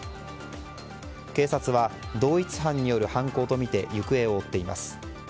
警察は同一犯による犯行とみて行方を追っています。